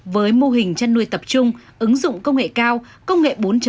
với mô hình chăn nuôi tập trung ứng dụng công nghệ cao công nghệ bốn